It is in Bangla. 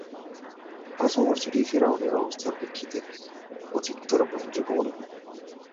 প্রথম অর্থটি ফিরআউনের অবস্থার প্রেক্ষিতে অধিকতর গ্রহণযোগ্য মনে হয়।